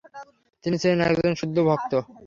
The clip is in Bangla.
তিনি ছিলেন একজন শুদ্ধ ভক্ত।